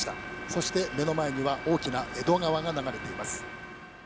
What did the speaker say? そして目の前には大きな江戸川が流れています。